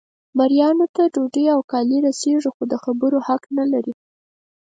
مریانو ته ډوډۍ او کالي رسیږي خو د خبرو حق نه لري.